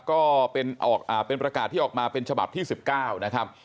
ก็เป็นประกาศที่ออกมาเป็นฉบับที่๑๙นะครับ